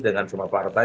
dengan semua partai